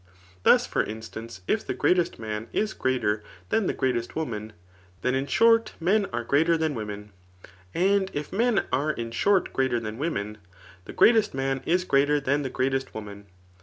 Thus^ for instance, if the greatest man is greater than the greatest woman, then in short men are greater than wo men ; and if men are in short greater than women, the greatest man is greater than the greatest woman.